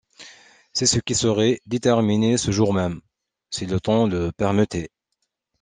C’est ce qui serait déterminé ce jour même, si le temps le permettait